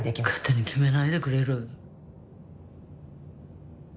勝手に決めないでくれる？